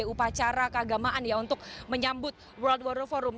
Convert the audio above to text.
upacara keagamaan ya untuk menyambut world water forum